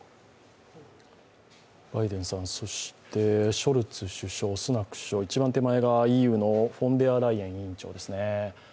バイデンさん、ショルツ首相、スナク首相、一番手前がＥＵのフォンデアライエン委員長ですね。